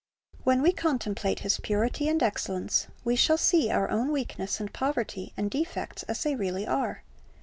When we contemplate His purity and excellence, we shall see our own weakness and poverty and defects as they really are.